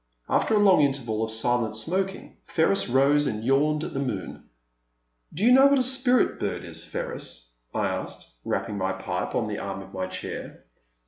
After a long interval of silent smoking Ferris rose and yawned at the moon. Do you know what a Spirit bird is, Ferris? " I asked, rapping my pipe on the arm of my chair.